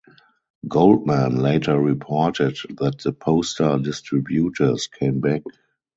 Goldman later reported that the poster distributors came back.